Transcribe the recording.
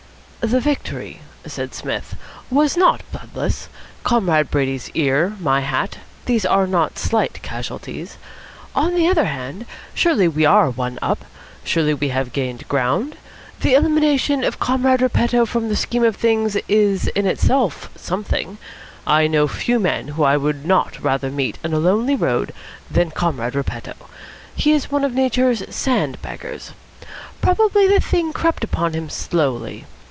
"The victory," said Psmith, "was not bloodless. Comrade Brady's ear, my hat these are not slight casualties. On the other hand, surely we are one up? Surely we have gained ground? The elimination of Comrade Repetto from the scheme of things in itself is something. I know few men I would not rather meet in a lonely road than Comrade Repetto. He is one of Nature's sand baggers. Probably the thing crept upon him slowly.